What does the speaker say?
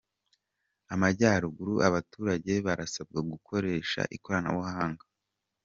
Amajyaruguru Abaturage barasabwa gukoresha ikoranabuhanga